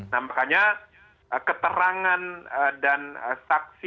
nah makanya keterangan dan saksi